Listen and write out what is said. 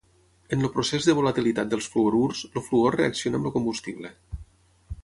En el procés de volatilitat dels fluorurs, el fluor reacciona amb el combustible.